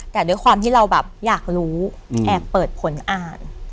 แต่ด้วยความที่เราแบบอยากรู้แอบเปิดผลอ่าน